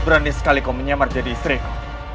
berani sekali kau menyamar jadi striker